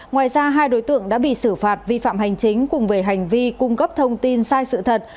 ngoài ra hai đối tượng đã bị xử phạt vi phạm hành chính cùng về hành vi cung cấp thông tin sai sự thật